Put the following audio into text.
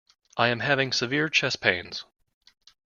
I am having severe chest pains.